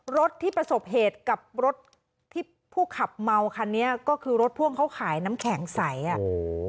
รถที่ประสบเหตุกับรถที่ผู้ขับเมาคันนี้ก็คือรถพ่วงเขาขายน้ำแข็งใสอ่ะโอ้โห